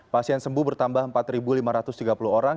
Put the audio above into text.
pasien sembuh bertambah empat lima ratus tiga puluh orang